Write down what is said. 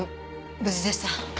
無事でした。